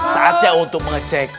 saatnya untuk mengecek